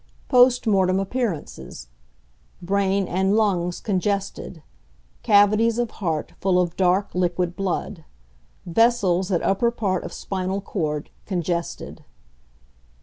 Post Mortem Appearances. Brain and lungs congested. Cavities of heart full of dark, liquid blood. Vessels at upper part of spinal cord congested.